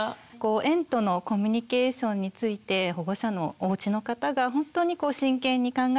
園とのコミュニケーションについて保護者のおうちの方が本当に真剣に考え